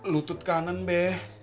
lutut kanan be